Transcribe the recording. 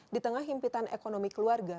di tengah himpitan ekonomi keluarga